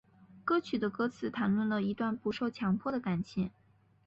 歌曲的歌词谈论了一段不受强迫的感情。